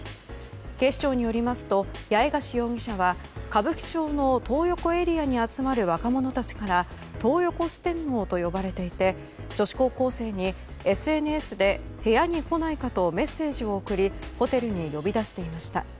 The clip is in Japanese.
警視庁によりますと八重樫容疑者は歌舞伎町のトー横エリアに集まる若者たちからトー横四天王と呼ばれていて女子高校生にＳＮＳで部屋に来ないかとメッセージを送りホテルに呼び出していました。